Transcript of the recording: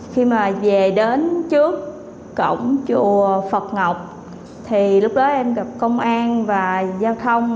khi mà về đến trước cổng chùa phật ngọc thì lúc đó em gặp công an và giao thông